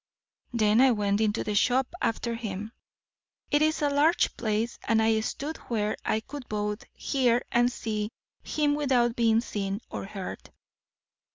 Then I went into the shop after him. It is a large place, and I stood where I could both hear and see him without being seen or heard.